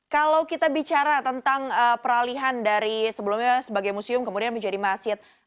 kalau kita bicara tentang peralihan dari sebelumnya sebagai museum kemudian menjadi masjid